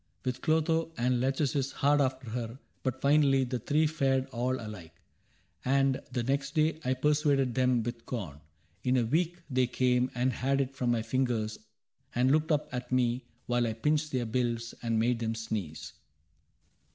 With Clotho and Lachesis hard after her; But finally the three fared all alike. And the next day I persuaded them with com. CAPTAIN CRAIG 43 In a week they came and had it from my fingers And looked up at me while I pinched their bills And made them sneeze.